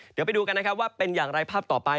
เดี๋ยวไปดูกันนะครับว่าเป็นอย่างไรภาพต่อไป